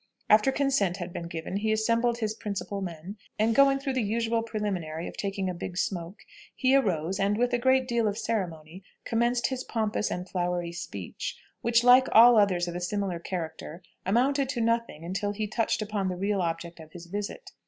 After consent had been given, he assembled his principal men, and, going through the usual preliminary of taking a big smoke, he arose, and with a great deal of ceremony commenced his pompous and flowery speech, which, like all others of a similar character, amounted to nothing, until he touched upon the real object of his visit.